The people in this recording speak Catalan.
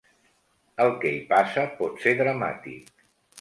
El que hi passa pot ser dramàtic.